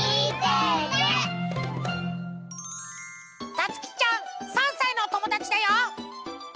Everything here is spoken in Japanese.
たつきちゃん３さいのおともだちだよ！